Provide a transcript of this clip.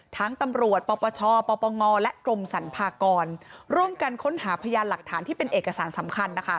ตำรวจปปชปปงและกรมสรรพากรร่วมกันค้นหาพยานหลักฐานที่เป็นเอกสารสำคัญ